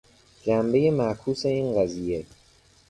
جنبهی معکوس این قضیه